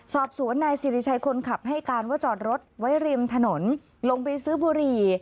สอบสวนนายสิริชัยคนขับให้การว่าจอดรถไว้ริมถนนลงไปซื้อบุหรี่